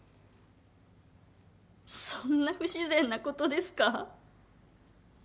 そんな不自然なことですか？